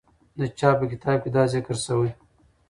د چا په کتاب کې دا ذکر سوی؟